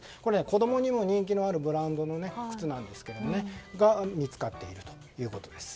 子供にも人気のあるブランドの靴なんですけどそれが見つかっているということです。